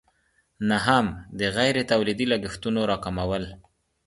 نهم: د غیر تولیدي لګښتونو راکمول.